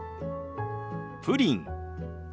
プリン。